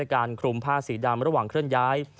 การคลุมผ้าสีดำระหว่างเคลื่อนย้าย